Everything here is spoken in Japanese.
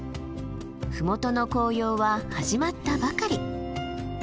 麓の紅葉は始まったばかり。